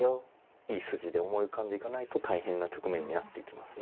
いい筋で思い浮かんでいかないと大変な局面になっていきますね。